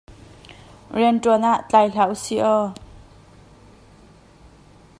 Rianṭuan ah tlai hlah usih aw.